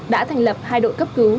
đã thành lập hai đội cấp cứu